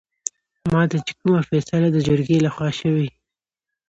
ماته چې کومه فيصله دجرګې لخوا شوې